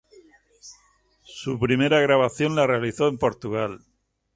Su primera grabación la realizó en Portugal.